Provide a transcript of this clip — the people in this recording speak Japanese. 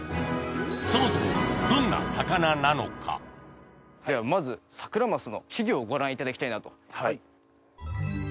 そもそもではまずサクラマスの稚魚をご覧いただきたいなと。